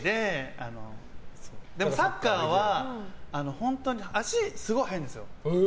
でもサッカーは足すごい速いんですよ。